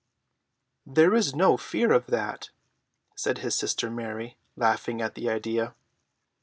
] "There is no fear of that," said his sister Mary, laughing at the idea.